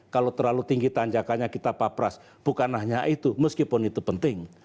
kalau terlalu tinggi tanjakannya kita papras bukan hanya itu meskipun itu penting